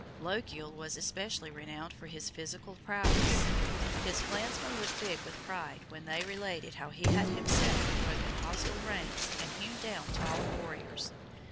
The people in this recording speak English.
Lochiel was especially renowned for his physical prowess. His clansmen looked big with pride when they related how he had himself broken hostile ranks and hewn down tall warriors.